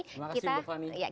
terima kasih bufani